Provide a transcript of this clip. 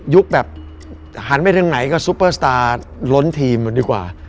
แบบหันไปทางไหนก็ซุปเปอร์สตาร์ล้นทีมมันดีกว่า